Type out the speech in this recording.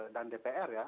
dan dpr ya